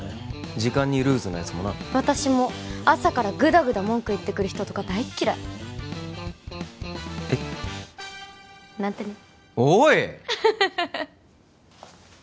時間にルーズなやつもな私も朝からグダグダ文句言ってくる人とか大っ嫌いえっなんてねおい！